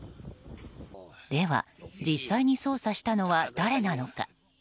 では、実際に操作したのは誰なのか。